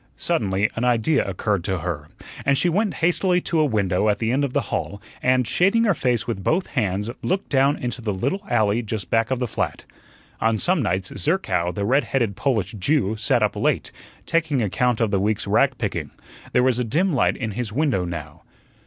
Suddenly an idea occurred to her, and she went hastily to a window at the end of the hall, and, shading her face with both hands, looked down into the little alley just back of the flat. On some nights Zerkow, the red headed Polish Jew, sat up late, taking account of the week's ragpicking. There was a dim light in his window now.